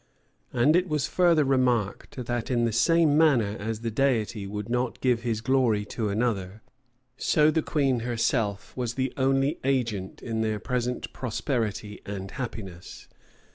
[v*] And it was further remarked, that in the same manner as the Deity would not give his glory to another, so the queen herself was the only agent in their present prosperity and happiness.